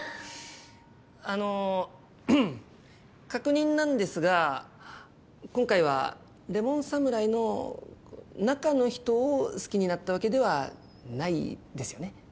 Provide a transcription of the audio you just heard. あの確認なんですが今回はレモン侍の中の人を好きになったわけではないですよね？